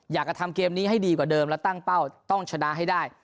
อยากจะทำเกมนี้ให้ดีกว่าเดิมและตั้งเป้าต้องชนะให้ได้